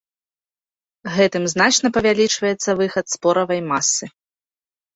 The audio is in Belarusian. Гэтым значна павялічваецца выхад споравай масы.